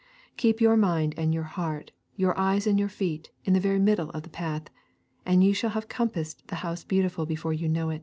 Keep your mind and your heart, your eyes and your feet, in the very middle of that path, and you shall have compassed the House Beautiful before you know.